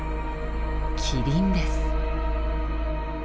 キリンです。